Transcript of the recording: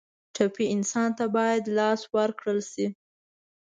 ټپي انسان ته باید لاس ورکړل شي.